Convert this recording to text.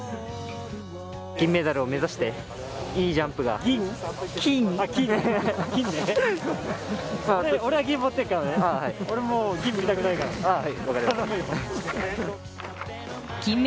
金メダルを目指して、いいジャンプが。銀？